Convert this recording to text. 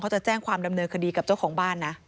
จะแจ้งความดำเนินคดีกับเจ้าของบ้านนะ